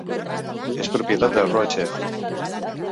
És propietat de RoadChef.